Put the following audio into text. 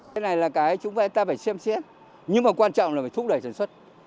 cái này là cái chúng ta phải xem xét nhưng mà quan trọng là phải thúc đẩy sản xuất